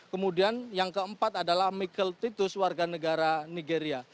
kemudian yang keempat adalah michael titus warga negara nigeria